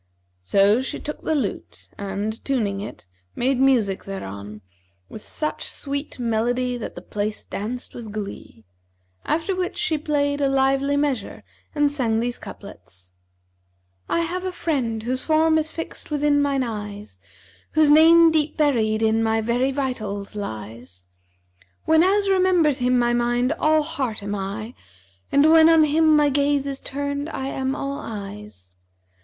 So she took the lute and tuning it, made music thereon with such sweet melody that the place danced with glee; after which she played a lively measure and sang these couplets, 'I have a friend, whose form is fixed within mine eyes,[FN#349] * Whose name deep buried in my very vitals lies: Whenas remembers him my mind all heart am I, * And when on him my gaze is turned I am all eyes.